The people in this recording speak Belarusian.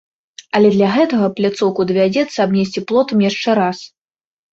Але для гэтага пляцоўку давядзецца абнесці плотам яшчэ раз.